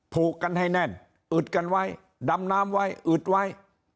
ผูกกันให้แน่นอึดกันไว้ดำน้ำไว้อึดไว้